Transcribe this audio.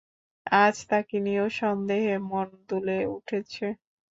আজ তাকে নিয়েও সন্দেহে মন দুলে উঠছে।